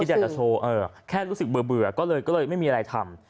อยากจะโชว์แค่รู้สึกเบื่อก็เลยไม่มีอะไรทำ